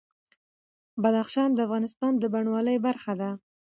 بدخشان د افغانستان د بڼوالۍ برخه ده.